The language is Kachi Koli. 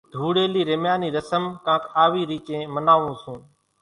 ڌوڙِيلي رميا نِي رسم ڪانڪ آوي ريچين مناوون سي۔